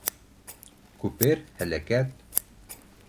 Күпер... һәләкәт...